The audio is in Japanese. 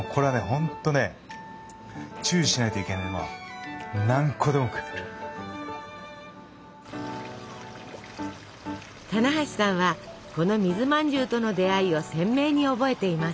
ほんとね注意しないといけないのは棚橋さんはこの水まんじゅうとの出会いを鮮明に覚えています。